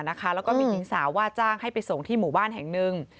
แล้วก็มีหญิงสาวว่าจ้างให้ไปส่งที่หมู่บ้านแห่งหนึ่ง